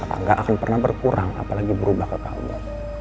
tak akan pernah berkurang apalagi berubah ke kamu